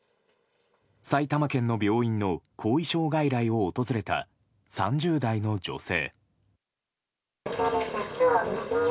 埼玉県の病院の後遺症外来を訪れた３０代の女性。